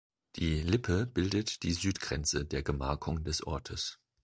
Die Lippe bildet die Südgrenze der Gemarkung des Ortes.